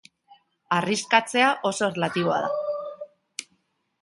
Arriskatzea oso erlatiboa da.